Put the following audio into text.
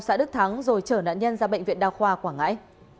xã đức thắng rồi trở nạn nhân ra bệnh viện đao khoa quảng ngãi